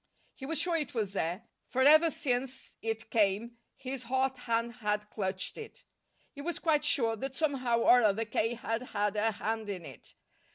He was sure it was there, for ever since it came his hot hand had clutched it. He was quite sure that somehow or other K. had had a hand in it.